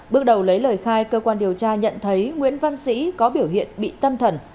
bước đầu lấy lời khai cơ quan điều tra nhận thấy nguyễn văn sĩ có biểu hiện bị tâm thần